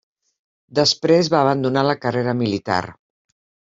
Després va abandonar la carrera militar.